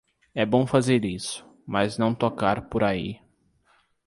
É bom fazer isso, mas não tocar por aí.